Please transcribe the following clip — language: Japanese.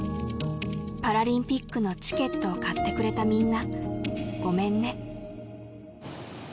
「パラリンピックのチケット買ってくれたみんなごめんね！」